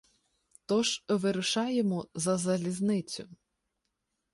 Тож вирушаємо за залізницю.